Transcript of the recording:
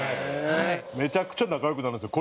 めちゃくちゃ仲良くなるんですよ